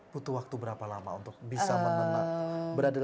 butuh waktu berapa lama untuk bisa menenang